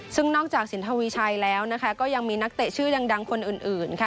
ซึ่งนอกจากสินทวีชัยแล้วนะคะก็ยังมีนักเตะชื่อยังดังคนอื่นค่ะ